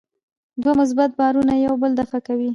دوه مثبت بارونه یو بل دفع کوي.